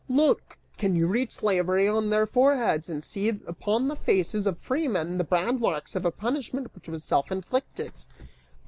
Look! Can you read slavery on their foreheads, and see upon the faces of free men the brand marks of a punishment which was self inflicted!"